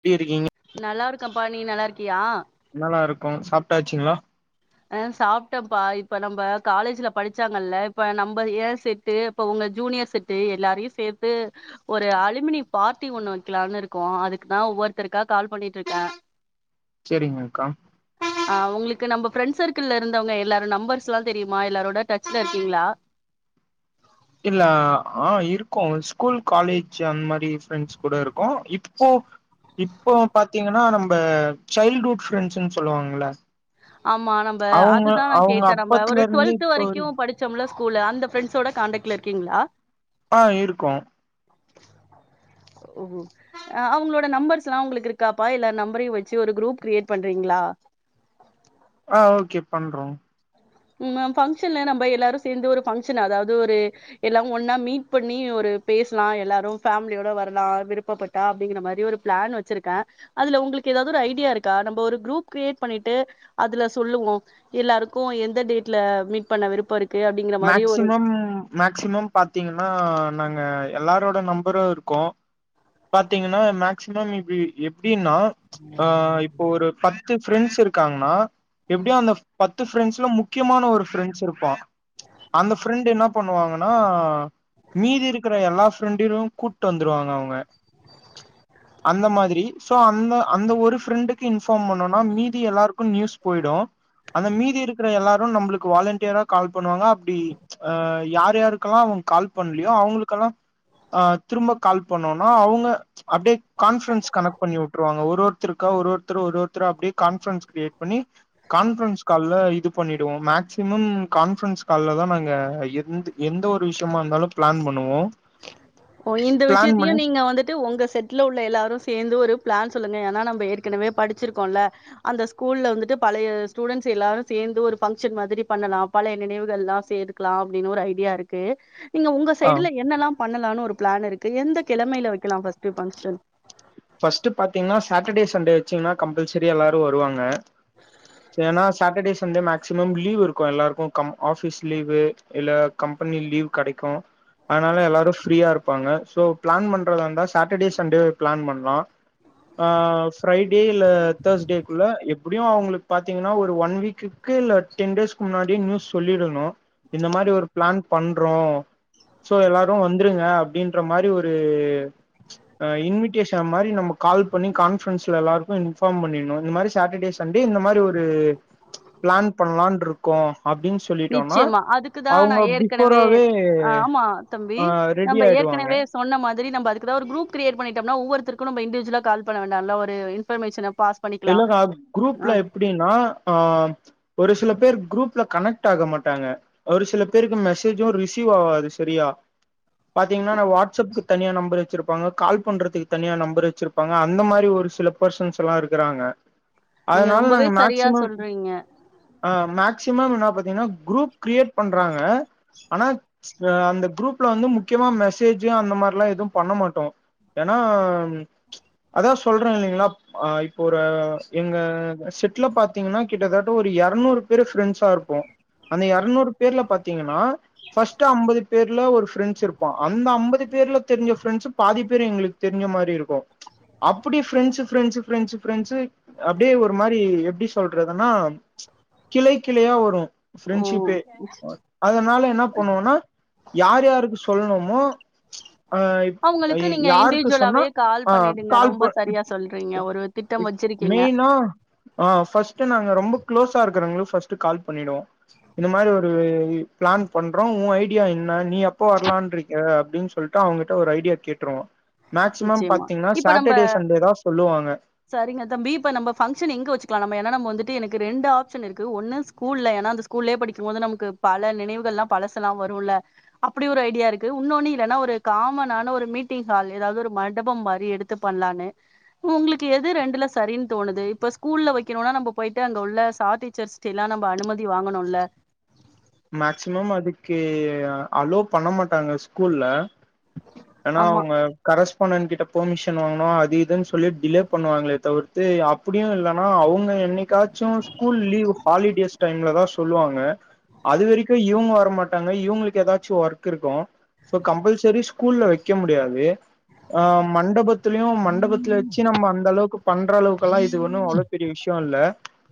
ப்டி இருக்கீங் கம்பா நீ நல்லா இருக்கியா நல்லா இருக்கோ சாப்டாச்சுங்களா அ சாப்டம்பா இப்ப நம்ப காலேஜில படிச்சாங்கல்ல இப்ப நம்ம இயர் செட்டு இப்ப உங்க ஜூனியர் செட்டு எல்லாரையு சேத்து ஒரு அலுமினி பார்ட்டி ஒண்ணு வெக்கிலான்னு இருக்கோ அதுக்குதா ஒவ்வொருத்தருக்கா கால் பண்ணிட்ருக்க சேரிங்கக்கா அவுங்களுக்கு நம்ப ஃப்ரெண்ட்ஸ் சர்க்கள்ல இருந்தவங்க எல்லாரு நம்பர்ஸ்லா தெரியுமா எல்லாரோட டச்ல இருக்கீங்ளா இல்ல அ ஆ இருக்கோ ஸ்கூல் காலேஜ் அந்த மாரி ஃப்ரெண்ட்ஸ் கூட இருக்கோ இப்போ இப்போ பாத்தீங்கன்னா நம்ம சைல்ட் ஹுட் ஃப்ரெண்ட்ஸுன்னு சொல்லுவாங்கல்ல ஆமா நம்ப அவங்க அதுதா நா அவங்க கேட்டே நம்ப அப்பத்துல ஒரு இருந்து டுவெல்த்து இப்போ வரைக்கூ வரைக் படிச்சோம்ல ஸ் கூலு அந்த ஃப்ரெண்ஸோட காண்டக்ட்லருக்கீங்களா ஆ இருக்கோ ஓ அ அவுங்ளோட நம்பர்ஸ்லா உங்களுக்கு இருக்காப்பா இல்ல நம்பரையு வச்சு ஒரு க்ரூப் க்ரியேட் பண்றீங்களா ஆ ஓகே பண்றோ ம ஃபங்க்ஷன்ல நம்ப எல்லாரூ சேந்து ஒரு பங்க்ஷன் அதாவ்து ஒரு எல்லாவு ஒன்னா மீட் பண்ணி ஒரு பேஸ்லா எல்லாரூ ஃபேமிலியோட வரலா விருப்பப்பட்டா அப்டிங்கிற மாரி ஒரு ப்ளான் வச்சிருக்க அதுல உங்களுக்கு ஏதாவ்து ஒரு ஐடியா இருக்கா நம்ப ஒரு க்ரூப் க்ரியேட் பண்ணிட்டு அதுல சொல்லுவோ எல்லாருக்கூ எந் த டேட்ல மீட் பண்ண விருப்போ இருக் மேக்சிமம் மேக்சிமம் பாத்தீங்னா நாங்க எல்லாரோ நம்பரூ இருக்கூ பாத்தீங்னா மேக்சிமம் இப்டி இப் எப்டின்னா ஆ இப்போ ஒரு பத்து ஃப்ரெண்ட்ஸ் இருக்காங்னா எப்டியோ அந்த பத்து ஃப்ரெண்ட்ஸ்ல முக்கியமான ஒரு ஃப்ரெண்ட்ஸ் இருப்பா அந்த ஃப்ரெண்ட் என்ன பண்ணுவாங்கன்னா மீதி இருக்கிற எல்லா ஃப்ரெண்டுகளயூ கூப்ட்டு வந்துருவாங்க அவங்க அந்த மாதிரி ஸோ அந்த அந்த ஒரு ஃப்ரெண்டுக்கு இன்ஃபார்ம் பண்ணோனா மீதி எல்லாருக்கூ நியூஸ் போயிடூ அந்த மீதி இருக்கிற எல்லாரூ நம்ளுக்கு வாலண்டியரா கால் பண்ணுவாங்க அப்படி ஆ யார் யாருக்கெல்லா அவ கால் பண்ணலியோ அவங்களுக்கல்லா ஆ திரும்போ கால் பண்ணோன் ஆ அவுங்க அப்டியே கான்ஃப்ரன்ஸ் கனெக்ட் பண்ணி விட்டுருவாங்க ஒரு ஒருத்தருக் கா ஒரு ஒருத்தர் ஒரு ஒருத்தர் அப்டியே கான்ஃப்ரன்ஸ் க்ரியேட் பண்ணி கான்ஃப்ரன்ஸ் கால்ல இ து பண்ணிடுவோ மேக்சிமம் கான்ஃப்ரன்ஸ் கால்ல தா நாங்க எந் எந்த ஒரு விஷ்யமா இருந்தாலூ ப்ளான் பண்ணுவோ ஓ இந்த பிளான் விஷயத்தையூ பண்ணி நீங்க வந்துட் டு உங்க செட்ல உள்ள எல்லாரூ சேந்து ஒரு ப்ளான் சொல்லுங்க ஏனா நம்ப ஏற்கனவே படிச்சிருக்கோல்ல அந்த ஸ்கூல்ல வந்துட்டு பழைய ஸ்டூடெண்ட்ஸ் எல்லாரூ சேந்து ஒரு ஃபங்க்ஷன் மாதிரி பண்ணலா பழைய நினைவுகள்லா சேத்துக்கலா அப்டின்னு ஒரு ஐடியா இருக்கு நீங்க உங்க ஆ சைடுல என்னல்லா பண்ணலான்னு ஒரு ப் ப்ளான் இருக்கு எந்த கெழமயில வெக்கலா ஃபஸ்ட்டு ஃபங்க்ஷன் ஃபஸ்ட்டு பாத்தீங்னா சாட்டர்டே சண்டே வச்சீங்னா கம்பல்சரி எல்லாரூ வருவாங்க ஏன்னா சாட்டர்டேஸ் வந்து மேக்சிமம் லீவ் இருக்கூ எல்லாருக்கூ கம் ஆஃபீஸ் லீவு இல்ல கம்பெனி லீவ் கெடைக்கூ அத்னால எல்லாரூ ஃப்ரீயாருப்பாங்க ஸோ ப்ளான் பண்றதாருந்தா சாட்டர்டே சண்டே ப்ளான் பண் லா ஆ ஃப்ரைடே இல்ல தேர்ஸ்டேக்குள்ள எப்படியூ அவங்ளுக் பாத்தீங்னா ஒரு ஒன் வீக்குக்கு இல்ல டென் டேஸ்க்கு முன்னாடியே நியூஸ் சொல்லிரணூ இந்த மாரி ஒரு ப்ளான் பண்றோ ஸோ எல்லாரூ வந் த்ருங்க அப்டின்ற மாரி ஒரு அ இன்விடேஷ் ட மாரி நம்ம கால் பண்ணி கான்ஃபரன்ஸ்ல எல்லாருக்கூ இன்ஃபார்ம் பண்ணிட்ணூ இந்த மாரி ஸ் சாட்டர்டே சண்டே இந்த மாரி ஒரு ப்ளான் பண்ணலான்ருக் கோ நிச்சயமா அதுக்குதா நான் ஏற்கனவே பிஃபோராவே அ ஆமா தம்பி ஆ ரெடி நம்ப ஆயிடுவாங்க ஏற்கனவே சொன்ன மாத்ரி நம்ப அதுக் கிற ஒரு க்ரூப் க்ரியேட் பண்ணிட்டம்னா ஒவ்வொருத்தருக்கூ நம்ப இண்டீவ்ஜுவலா கால் பண்ண வேண்டால்ல ஒரு இன்ஃபர்மேஷன பாஸ் பண்ணிக்கலாம். இல்லங்க அ அ குரூப்ல எப்டின்னா ஆ ஒரு சிலப் பேர் குரூப்ல கனெக்ட் ஆக மாட்டாங்க ஒரு சில பேருக்கு மெசேஜு ரிசீவ் ஆவாது செரியா பாத்தீங்னானா வாட்சப்க்கு தனியா நம்பர் வச்சிருப்பாங்க கால் பண்றதுக்கு தனியா நம்பர் வச்சிருப்பங்க அந்த மாரி ஒரு சில பெர்சன்ஸ்லா இருக் க்குறாங்க நீங்க அதனால ரொம்பவே நாங்க சரியா மேக்சிமம் சொல்றீங்க. ஆஹ் மேக்சிமம் என்னா பாத்தீனா குரூப் க்ரியேட் பண்றாங்க ஆனா அ அந்த குரூப்ல வந்து முக்கியமா மெசேஜு அந்த மார்லா எதுவும் பண்ண மாட்டோ ஏன்னா அதா சொல்றே இல்லிங்லா ஆ இப் இப்ப ஒரு எங்க செட்ல பாத்தீங்கன்னா கிட்டத்தட்ட ஒரு எரநூறு பேரு ஃப்ரெண்ட்ஸா இருப்போ அந்த எரநூறு பேர்ல பாத்தீங்கன்னா ஃபர்ஸ்ட்டு அம்பது பேர்ல ஒரு ஃப்ரெண்ட்ஸ் இருப்பா அந்த அம்பது பேர்ல தெரிஞ்ச ஃப்ரெண்ட்ஸு பாதி பேரு எங்களுக்கு தெரிஞ்ச மாரி இருக்கு அப்டி ஃப்ரென்ஸு ஃப்ரென்ஸு ஃப்ரென்ஸு ஃப்ரென்ஸு அப்டியே ஒரு மாரி எப்டி சொல்றதுன்னா கிளை கிளையா வரு ஓ ஃப்ரெண்ஷிப்பே அதனால என்ன பண்ணோனா யார் யாருக்கு ஸ் சொல்ணோமோ அவுங்களுக்கு நீங்க இண்டிவிஜுவலாவே கால் ஆ பண்ணிடுங்க ரொம்ப சரியா சொல்றீங்க ஒரு திட் மெய்னா அ ஃபஸ்ட்டு நாங்க ரொம்ப க்ளோஸா இருக்கறவங்களுக் ஃபஸ்ட்டு கால் பண்ணிடுவோ இந்த மாரி ஒரு ப்ளான் பண்றோ ஊ ஐடியா என்ன நீ எப்ப வர்லான்ருக்க அப்டின் சொல்ட்டு அவுங்கட்ட ஒரு ஐடியா கேட்ருவோ மேக்சிமம் நிச்சயமா பாத்தீங்கனா இப்ப நம்ம சாட்டர்டே சண்டே தா சொல்லுவாங்க சரிங்க தம்பி இப்ப நம்ப பங்க்ஷன எங்க வெச்சுக்லா நம்ப ஏனா நம்ம வந்துட்டு எனக்கு ரெண்டு ஆப்ஷன் இருக்கு ஒன்னு ஸ்கூல்ல ஏனா அந்த ஸ்கூல்லயே படிக்கும்போது நமக்கு பல நினைவுகள்லா பழசெலா வருல்ல அப்பிடி ஒரு ஐடியா இருக்கு உன்னொனு இல்லனா ஒரு காமனான ஒரு மீட்டிங் ஹால் ஏதாது ஒரு மண்டபம் மாரி எடுத்து பண்லானு உங்களுக்கு எது ரெண்டுல சரின்னு தோணுது இப்ப ஸ்கூல்ல வெக்கணுனா நம்ம போயிட்டு அங்க உள்ள சா டீச்சர்ஸ்டில்லா நம்ம அனுமதி வாங்கணுல்ல மேக்சிமம் அதுக்கு அலோ பண்ண மாட்டாங்க ஸ்கூல்ல ஏனா ஆமா அவுங்க கரஸ் கரஸ்பாண்டன் கிட்ட பர்மிஷன் வாங்கனு அது இதுன் சொல்லி டிலே பண்ணுவாங்களே தவிர்த்து அப்படியு இல்லனா அவுங் என்னைக்காச்சு ஸ்கூல் லீவ் ஹாலிடேஸ் டைம்லதா சொல்லுவாங்க க்கு இவுங்க வரமாட்டாங்க இவுங்களுக்கு ஏதாச்சு ஒர்க் இருக்கு சோ கம்பல்சரி ஸ்கூல்ல வெக்க முடியாது ஆ மண்டபத்துலயு மண்டபத்துல வெச்சு நம்ம அந்த அளவுக்கு பண்ற அளவுக்குலா இது ஒன்னு அவ்ளோ பெரிய விஷய இல்ல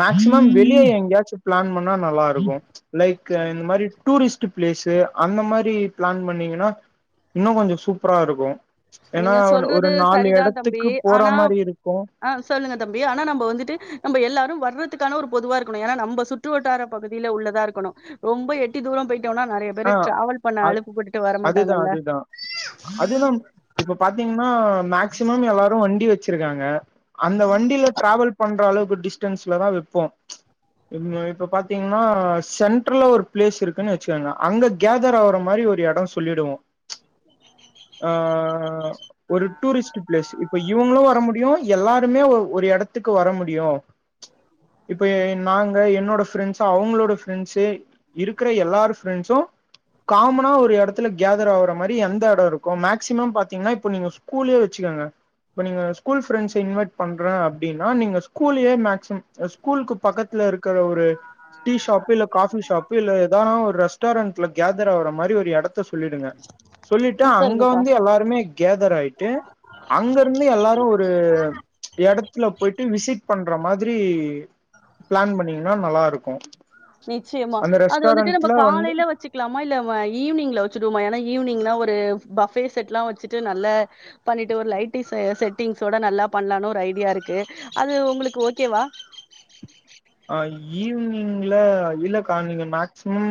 மேக்சிமம் வெளிய எங்கயாச்சு பிளான் பண் ன்னா நல்லா இருக்கு யிடுக்க இந்த மாரி டூரிஸ்ட் பிளேஸி அந்த மாரி பிளான் பண்ணீங்கன்னா இன்னே கொஞ்சோ சூப்பரா இருக்கு ஏன்னா நீங்க ஒரு சொல்றது நாலு சரிதா தம்பி எடத்துக்கு போற ஆனா மாரி இருக்கு ஆ சொல்லுங்க தம்பி ஆனா நம்ப வந்துட்டு நம்ம எல்லாரு வர்றது க்கான ஒரு பொதுவா இருக்கணு நம்ப சுற்று வட்டார பகுதியில உள்ளதா இருக்கணு ரொம்ப எட்டி தூர பேயி னா நெறையா பேரு ஆ டிராவல் பண்ண அ அலுப்பு பட்டுட்டு அதுதா வரமாட்டாங்கல்ல அதுதா அது நம் இப்ப பாத்தீங் ன்னா மேக்சிமம் எல்லாரு வண்டி வச்சிருக்காங்க அந்த வண்டில டிராவல் பண்ற அளவுக் ப்ப டிஸ்டன்ஸ்ல தா வைப்போ ச்சு இப்ப பாத்தீங்கன்னா சென்டரல்ல ஒரு பிளேஸ் இருக்குன்னு வச்சுக்கோங்க அங்க கேதர் ஆவற மாரி ஒரு எட சொல்லிடுவோ ச்சு ஆஹ் ஒரு டூரிஸ்ட் பிளேஸ் இப்ப இவுங்களு வர முடியு எல்லாருமே ஒ ஒரு எடத்துக்கு வர முடியு இப்ப எ நாங் க என்னோட பிரெண்ட்ஸு அவங்களோட பிரெண்ட்ஸு இருக்குற எல்லார் ஃப்ரண்ட்ஸு காமனா ஒரு எடத்துல கேதர் ஆவற மாரி எந்த எட இருக்கு மேக்சிமம் பாத்திங்கனா இப்ப நீங்க ஸ்கூலே வெச்சிகங்க இப்ப நீங்க ஸ்கூல் ஃப்ரண்ஸ இன்வைட் பண்ற அப்டினா நீங்க ஸ்கூல்லயே மேக்ஸிமம் ஸ்கூல்க்கு பக்கத்துல இருக்கற ஒரு டீ ஷாப்பு இல்ல காஃபி ஷாப்பு இல்ல எதா ஒரு ரெஸ்டாரண்ட்ல கேதர் ஆவற மாரி ஒரு எடத்த சொல்லிடுங்க சொல்லிட்டு அங்க சரிங்கப்பா வந்து எல்லாருமே கேதர் ஆயிட்டு அங்க இருந்து எல்லாரு ஒரு எடத்துல போயிட்டு விசிட் பண் அப்ற மாதிரி பிளான் பண்ணிங்கனா நல்லாரு நிச்சயமா அது வந்துட்டு நம்ம ரெஸ்டாரண்ட்ல வந்து காலைல வச்சு க்லாமா இல்ல ஈவினிங்ல வெச்சிடுவுமா ஏனா ஈவினிங்னா ஒரு பஃபே செட்லா வெச்சுட்டு நல்லா பண்ணிட்டு ஒரு லைட்டி செ செட்டிங்சோட நல்லா பண்லானு ஒரு ஐடியா இருக்கு அது உங்களுக்கு ஓகேவா ஆ ஈவினிங்ல இல்லக்கா நீங்க மேக்சிமம்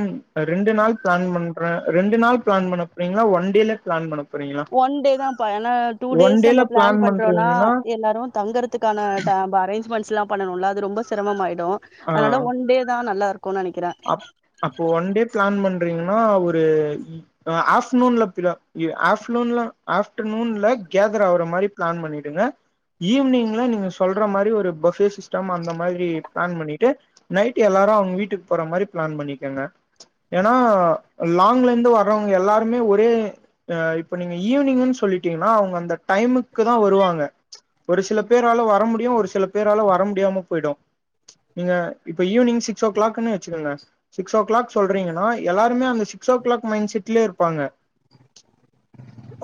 ரெண்டு நாள் பிளான் பண்ற ரெண்டு நாள் பிளான் பண்ண போறிங்ளா ஒன் டேல பிளான் பண்ண போறீங்களா ஒன் டே தாம்ப்பா ஏனா டூ ஒன் டேஸ் நம்ம டேல பிளான் பண்றோனா பண்றீங்கன்னா எல்லாரு தங்கறதுக்கான த அரேஞ்ச்மெண்ட்ஸ்லா பண்ணனுல அது ரொம்ப சிரமமாயிரு டோ ஆ அதனால ஒன் டே தா நல்லா இருக் அப் அப்போ ஒன் டே ப்ளான் பண் ணிங்னா ஒரு அ ஆஃப் நூன்ல [unintelligible] எ ஆஃப் நூன்ல ஆஃப்ட்ரு நூன்ல கேதர் ஆவுற மாரி ப்ளான் பண்ணிட்டீனா ஈவ்னிங்ல நீங்க சொல்றா மாரி ஒரு பஃபே சிஸ்டம் அந்த மாரி ப்ளான் பண்ணிட்டு நைட் எல்லாரு வீட்டுக் போற மாரி ப்ளான் பண்ணிக்கங்க ஏன்னா லாங்லேந்து வர்றவங்க எல்லாருமே ஒரே ஆ இப்ப நீங்க ஈவ்னிங்குன் சொல்லிட்டீங்கன்னா அவுங்க அந்த டைமுக்குதா வருவாங்க ஒரு சில பேரால வர முடியு ஒரு சில பேரால வர முடியாம போய்டு நீங்க இப்ப ஈவ்னிங் சிக்ஸ் ஓ க்ளாக்குனு ச்சிருங்க சிக்ஸ் ஓ க்ளாக் சொல்றீங்கன்னா எல்லாருமே அந்த சிக்ஸ் ஓ க்ளாக் மைண்ட் செட்லே இருப்பாங்க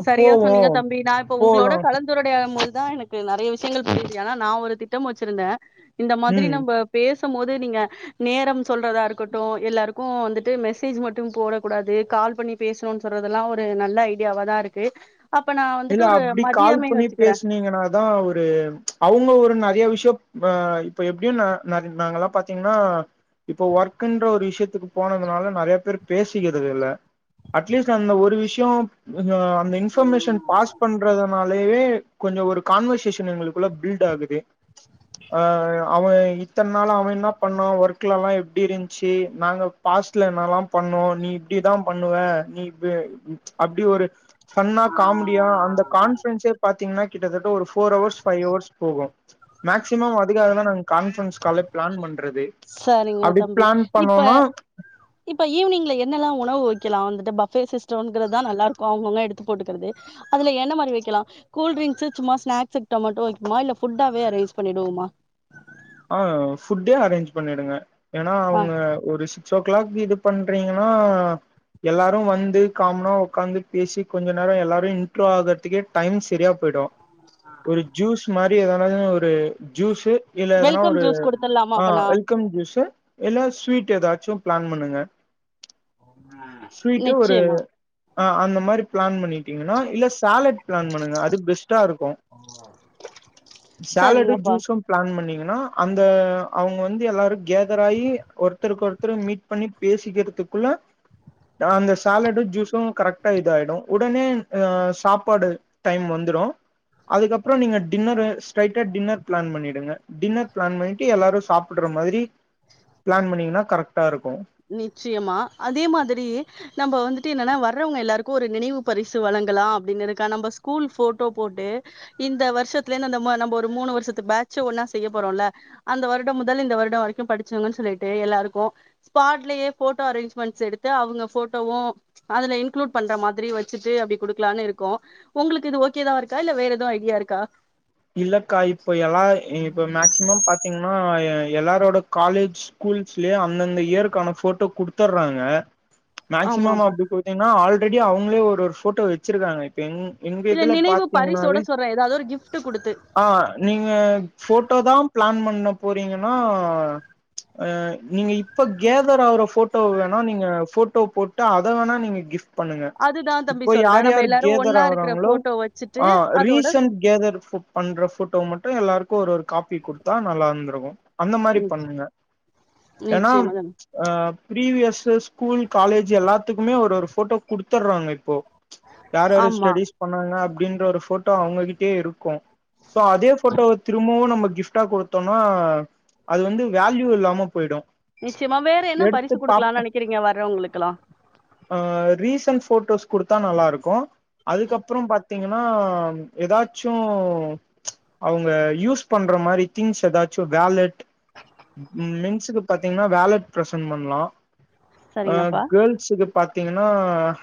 சரியா போவோ சொன்னீங்க தம்பி நா இப்போ உங்களோட போலா கலந்துரடையாம்போது தா எனக்கு நறைய விஷயங்கள் புரியிது ஏனா நா ஒரு திட்டம் வச்சிருந்தே இந்த மாதிரி ம் நம்ப பேஸ் சம் போது நீங்க நேரம் சொல்றதா இருக்கட்டு எல்லாருக்கு வந்துட்டு மெசேஜ் மட்டும் போடக்கூடாது கால் பண்ணி பேஸ்ணுனு சொல்றதெல்லா ஒரு நல்ல ஐடியாவாதா இருக் கு இல்ல அப்டி கால் பண்ணி பேசுனீங்கன்னாதா ஒரு அவுங்க ஒரு நறையா வி ஷ்யோ ஆ இப்ப எப்டியு ந நரி நாங்கல்லா பாத்தீங்னா இப்போ ஒர்க்குன்ற ஒரு விஷயத்துக்கு போனதுனால நறையா பேரு பேசிக்கிறது இல்ல அட்லீஸ்ட்டு அந்த ஒரு விஷ்யொ [unintelligible] அந்த இன்ஃபர்மேஷன் பாஸ் பண்றதுனாலேவே கொஞ்சொ ஒரு கான்வர்சேஷன் எங்களுக்குள்ள பில்ட் ஆகுது ஆஹ் அவ இத்தன் நாளா அவ என்னா பண்ணா ஒர்க்லாலா எப்டி இருந்த்ச்சி நாங்க பாஸ்ட்ல என்னால்லாம் பண்ணோ நீ இப்டிதா பண்ணுவ நீ இப் அப்டி ஒரு சன்னா காம் யா அந்த கான்ஃப்ரன்ஸே பாத்தீங்கன்னா கிட்டத்தட்ட ஒரு ஃபோர் அவர்ஸ் ஃபையவர்ஸ் போகு மேக்சிமம் அதுக்காகதா நாங் கான்ஃப்ரன்ஸ் காலே ப்ளான் பண் சரிங்க தம்பி இப்ப இப்ப ஈவ்னிங்ல என்னல்லா உணவு வெக் கெலா வந்துட்டு பஃபே சிஸ்டோங்குறதுதா நல்லா இருக்கு அவுங்க அவுங்க எடுத்து போட்டுக்கறது அதுல என்ன மாரி வெக்கெலா கூல்ட்ரிங்க்ஸு சும்மா ஸ்நாக்ஸு டொமோட்டோ வெக்குமா இல்ல ஃபுட்டாவே அரேன்ஜ் பண்ணிடுவோமா ஆ ஃபுட்டே அரேஞ்ச் பண்ணிடுங்க ஏன்னா ஆ அவங்க ஒரு சிக்ஸ் ஓ கிளாக் இது பண்றீங்கன்னா எல்லாரு வந்து காமனா ஒக்காந்து பேசி கொஞ்ச நேர எல்லாரு இன்ட்ரோ ஆகரதுக்கே டைம் செரியா போய்டு ஒரு ஜூஸ் மார் அப்டி எதனது ஒரு ஜூஸ்ஸு இல்ல எதனா வெல்கம் ஒரு ஜூஸ் குடுத்துடலாமா ஆ அப்பனா வெல்கம் ஜூஸ்ஸு இல்ல ஸ்வீட் எதாச்சு பிளான் பண்ணுங்க ஸ்வீட்டு ஒரு நிச்சயமா ஆ அந்த மாரி பிளான் பண்ணி ன்னா இல்ல சாலட் பிளான் பண்ணுங்க அது பெஸ்ட்டா இருக்கு சாலடு சரிங்கப்பா ஜூஸு பிளான் பண்ணி ஏன்னா அந்த அவங்க வந்து எல்லாரு கேதராயி ஒருத்தருக்கு ஒருத்தர் மீட் பண்ணி பேசிக்கிறதுக்குள்ள அந்தசாலடு ஜுஸும் கரக்டா இது ஆயிடு உடனே அ சாப்பாடு டைம் வந்துரு அதுக்கப்பற நீங்க டின்னர ஸ்டெரைட்டா டின்னர் ப்ளான் பண்ணிடுங்க டின்னர் பிளான் பண்ணிட்டு எல்லாரு சாப்டுற மாரி பிளான் பண்ணீங்கன்னா கரெக்டா இருக் நிச்சயமா அதே மாதிரி நம்ம வந்து ட்டி என்னனா வர்றவங்க எல்லாருக்கு ஒரு நினைவு பரிசு வழங்கலாம் அப்டின்னிருக்க நம்ம ஸ்கூல் ஃபோட்டோ போட்டு இந்த வருஷத்துல அந்தம்ம நம்போ ஒரு மூனு வருஷத்து பேஜ் ஒன்னா செய்ய போறோல்ல அந்த வருடம் முதல் இந்த வருட வரைக்கு படிச்சவுங்கன் சொல்லிட்டு எல்லாருக்கு ஸ்பாட்லயே போட்டோ அரேஞ்மெண்ட்ஸ் எடுத்து அவங்க போட்டோவு அதுல இன்களூட் பண்ற மாதிரி வச்சுட்டு அப்படி குடுக்கலான்னு இருக்கோ உங்களுக்கு இது ஓகேதா இருக்கா இல்ல வேற எதுவு ஐடியா இருக்கா இல்லக்கா இப்ப எல்லா இப்ப மேக்சிமம் பாத்தீங் ஆனா எல்லாரோட காலேஜ் ஸ்கூல்ஸ்லயே அந்தந்த இயருக்கான போட்டோ குடுத்துர்றாங்க மேக்சிமம் ஆமாப்பா அப்டி போய்ட்டீங்னா ஆல் ரெடி அவுங்களே ஒரு ஒரு ஃபோட்டோ வச்சிருக்காங்க எங் எங்க இல்ல இதுல நினைவு பரிசோட சொல்ற ஏதாவ்து ஒரு கிஃப்ட்டு ஆஹ் நீங்க ஃபோட்டோ தா ப்ளான் பண்ண போறீங்கன்னா ஆ நீங்க இப்ப கேதர் ஆவுற ஃபோட்டோவ வேணா நீங்க ஃபோட்டோ போட்டு அத வேணா நீங்க கிஃப் பண்ணுங்க அதுதான் தம்பி இப்போ சொல்றேன் யார் நம்ம யார் எல்லாரும் கேதர் ஒன்னா இருக்கிற ஆவுறாங்களோ போட்டோ வச்சுட்டு ஆ அதோட ரீசன்ட் கேதர் ஃபோட் பண்ற ஃபோட்டோ மட்டு எல்லாருக் கொர்வொரு காப்பி குடுத்த நல்லா இருந்திருக்கு அந்த மாரி நிச்ச- பண்ணுங்க ஏன்னா நிச்சயமா தான். ம்ச் ஆ பீவியஸ் த்து ஸ்கூல் காலேஜ் எல்லாத்துக்குமே ஒரு ஒரு ஃபோட்டோ குடுத்துறாங்க இப்போ ம்ச் யார் யாரு ஆமா ஸ்டடிஸ் பண்ணாங்க அப் இன்றோரு ஃபோட்டோ அவங்ககிட்யே இருக்கு சோ அதே ஃபோட்டோவ திரும்பவு நமக் கிஃப்ட்டா குடுத்தோனா அது வந்து வேல்யூ இல்லாம போயிடு நிச்சயமா வேற என்ன எடுத்து பரிசு குடுக்கலான்னு பாப்போ நெனைக்கிறீங்க வர அவங்களுக்கல்லா ஆ ரீசன்ட் ஃபோட்டோஸ் குடுத்தா நல்லா இருக்கு அதுக்கப்பறோ பாத் த்தீங்கன்னா ஏதாச்சு ம்ச் அவங்க யூஸ் பண்ற மாரி திங்ஸ் ஏதாச்சும் வேலட் மென்ஸ்ஸுக்கு பாத்தீங்கனா வேலட் ப்ரெசென்ட் பண்ணலா ஆ சரிங்கப்பா கேர்ள்ஸ்ஸுக்கு பாத் த்தீங்கன்னா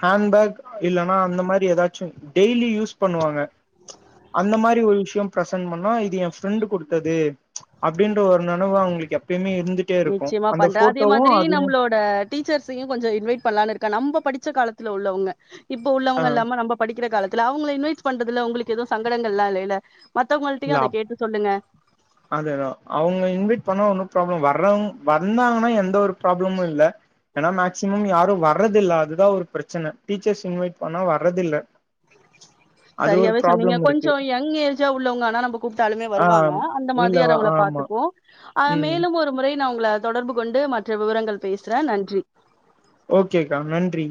ஹேண்பேக் இல்லன்னா அந்த மாரி ஏதாச்சு டெய்லி யூஸ் பண்ணுவாங்க ம்ச் அந்த மாரி ஒரு விஷ் [unintelligible] ப்ரெசென்பண்ணா இது என் ஃப்ரெண்ட் குடுத்தது ம்ச் அப்டின் டு ஒரு நனவா அவங்களுக்கு எப்பயுமே இருந்துட்டே இருக்கு நிச்சயமா அந்த பண்றேன் அதே ஃபோட்டோவு மாதிரி அதுயு நம்மளோட க நம்ப படிச்ச காலத்துல உள்ளவங்க இப்ப ஆ உள்ளவங்க இல்லாம நம்ம படிக்கிற காலத் த்துல அவங்கள இன்வைட் பண்றதுல உங்களுக்கு ஏதவு சங்கடங்கள்ல்லா இல்லைல மத்தவங்கள்ட்டயு அத கேட்டு சொல்லுங்க அததா அவங்க இன்வைட் பண்ணா ஒன்னு ப்ராப்ளம் வர்றவங் வந்தாங்கன்னா எந்த ஒரு ப்ராப்ளமு இல்ல ஏன்னா மேக்சிமம் யாரு வர்றதில்ல அதுதா ஒரு பிரச்சன டீச்சர்ஸ் இன்வைட் பண்ணா வர்றதில்ல அது ஒரு சரியாவே சொன்னீங்க ப்ராப்ளம் இருக்கு கொஞ்சோ யங் ஏஜ உள்ளவங்க ஆனா நம்ப கூப்ட்டாலுமே ஆ வருவாங்க இந்த இல்ல மாதிரியான [unintelligible] ஆமா பாத்தப்போ ம் மேலும் ஒரு முறை நா உங்கள தொடர்பு கொண்டு மற்ற விவரங்கள் பேசுறே நன்றி ஓகேக்கா நன்றி